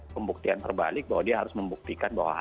pembuktian terbalik bahwa dia harus membuktikan bahwa